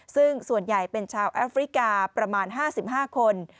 ซึ่งส่วนใหญ่เป็นชาวแอฟริกาประมาณ๕๕คน